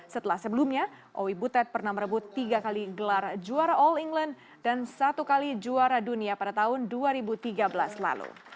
setelah sebelumnya owi butet pernah merebut tiga kali gelar juara all england dan satu kali juara dunia pada tahun dua ribu tiga belas lalu